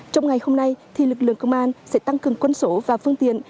trong ngày hôm nay lực lượng công an sẽ tăng cường quân số và phương tiện